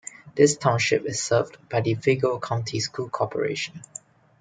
This township is served by the Vigo County School Corporation.